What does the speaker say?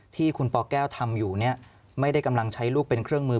ที่คุณปแก้วทำอยู่เนี่ยไม่ได้กำลังใช้ลูกเป็นเครื่องมือ